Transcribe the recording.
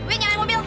wih nyangkain mobil